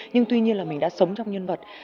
nhưng tuy nhiên là mình đã sống trong nhân vật